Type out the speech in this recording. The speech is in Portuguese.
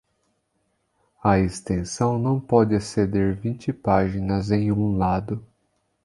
A extensão não pode exceder vinte páginas em um lado.